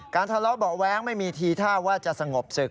ทะเลาะเบาะแว้งไม่มีทีท่าว่าจะสงบศึก